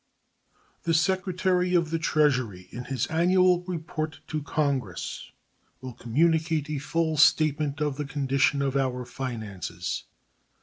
The Secretary of the Treasury in his annual report to Congress will communicate a full statement of the condition of our finances.